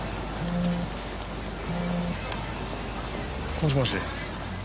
もしもし。